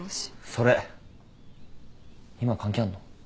それ今関係あんの？